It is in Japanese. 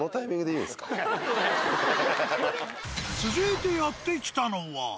続いてやって来たのは。